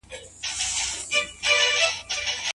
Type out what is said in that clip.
خو دا هم نه ورڅخه لازميږي چې هغه غير ديني دي